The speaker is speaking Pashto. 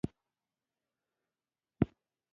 تر ټولو هوښیار مشاور، وخت ته انتظار وکړئ.